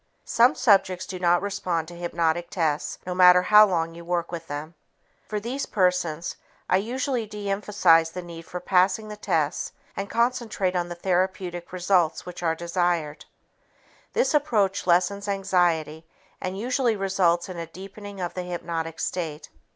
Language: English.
Some subjects do not respond to hypnotic tests no matter how long you work with them. For these persons, I usually de emphasize the need for passing the tests and concentrate on the therapeutic results which are desired. This approach lessens anxiety and usually results in a deepening of the hypnotic state.